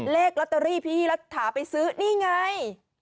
เลขลอตเตอรี่พี่รัฐาไปซื้อนี่ไง